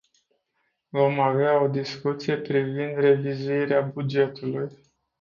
Vom avea o discuție privind revizuirea bugetului.